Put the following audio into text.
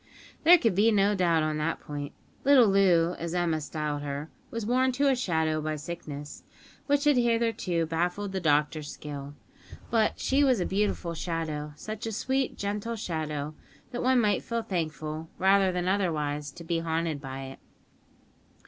There could be no doubt on that point. Little Loo, as Emma styled her, was worn to a shadow by sickness, which had hitherto baffled the doctor's skill. But she was a beautiful shadow; such a sweet, gentle shadow, that one might feel thankful, rather than otherwise, to be haunted by it.